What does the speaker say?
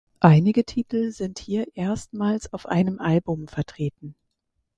Einige Titel sind hier erstmals auf einem Album vertreten.